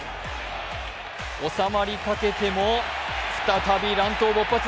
収まりかけても再び乱闘勃発。